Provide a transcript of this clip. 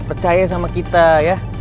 percaya sama kita ya